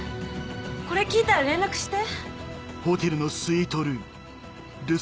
これ聞いたら連絡して。